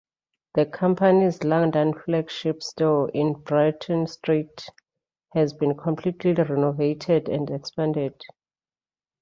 The company's London flagship store on Bruton Street has been completely renovated and expanded.